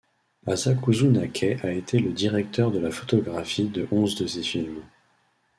Asakazu Nakai a été le directeur de la photographie de onze de ses films.